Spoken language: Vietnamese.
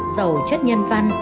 dầu chất nhân văn